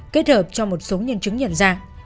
kết hợp cho một số nhân chứng nhận dạng